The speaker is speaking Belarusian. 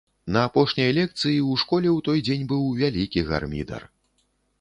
На апошняй лекцыі ў школе ў той дзень быў вялікі гармідар.